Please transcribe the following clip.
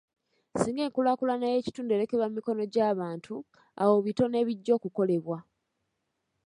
Singa enkulaakulana y'ekitundu erekebwa mu mikono gy'abantu, awo bitono ebijja okukolebwa.